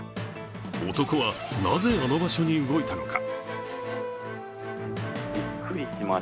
男は、なぜあの場所に動いたのか。